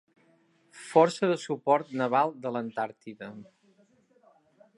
Força de Suport Naval de l'Antàrtida.